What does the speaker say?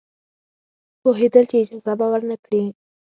پوهېدل چې اجازه به ورنه کړي.